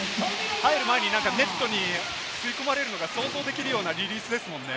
入る前にネットに吸い込まれるのが想像できるようなリリースですもんね。